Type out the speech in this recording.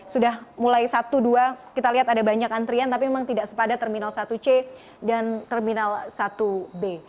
sudah mulai satu dua kita lihat ada banyak antrian tapi memang tidak sepadat terminal satu c dan terminal satu b